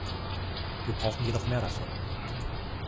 Wir brauchen jedoch noch mehr davon.